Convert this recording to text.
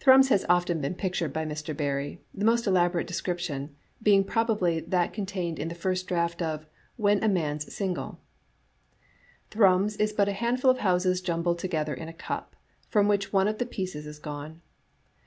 Thrums has often been pictured by Mr. Barrie, the most elaborate description being probably that con tained in the first draft of " When a Man's Single" :" Thrums is but a handful of houses jumbled together in a cup, from which one of the pieces has gone.